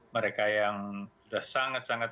mereka yang sudah sangat sangat